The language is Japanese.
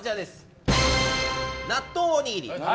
納豆おにぎり。